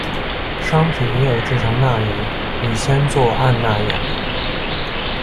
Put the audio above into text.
商品也有制成钠盐乙酰唑胺钠盐的。